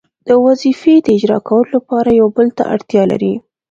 د وظیفې د اجرا کولو لپاره یو بل ته اړتیا لري.